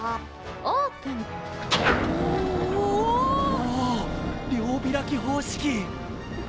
お両開き方式！